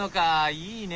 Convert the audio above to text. いいね。